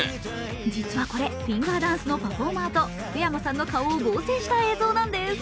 実はこれ、フィンガーダンスのパフォーマーと福山さんの顔を合成した映像なんです。